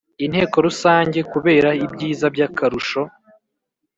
Inteko Rusange kubera ibyiza by akarusho